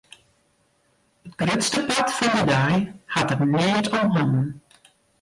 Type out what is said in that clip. It grutste part fan de dei hat er neat om hannen.